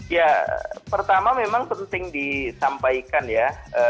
ya pertama memang penting disampaikan ya